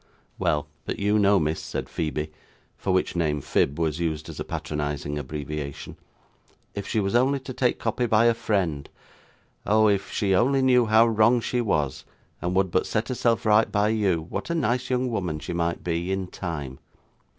'Well, but you know, miss,' said Phoebe, for which name 'Phib' was used as a patronising abbreviation, 'if she was only to take copy by a friend oh! if she only knew how wrong she was, and would but set herself right by you, what a nice young woman she might be in time!